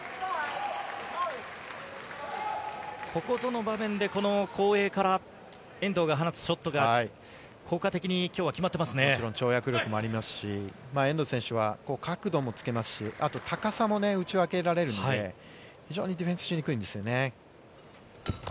ここぞの場面で、この後衛から遠藤が放つショットが、効果的にきょうは決まってまもちろん跳躍力もありますし、遠藤選手は角度もつけますし、あと高さも打ち分けられるので、非常にディフェンスしにくいんですよね。